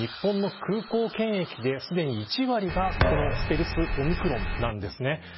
日本の空港検疫で１割が、このステルスオミクロンなんです。